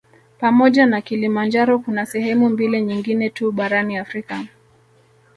Pamoja na Kilimanjaro kuna sehemu mbili nyingine tu barani Afrika